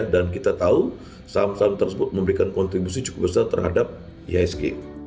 dan kita tahu saham saham tersebut memberikan kontribusi cukup besar terhadap ihsg